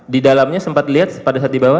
di dalamnya sempat lihat pada saat dibawa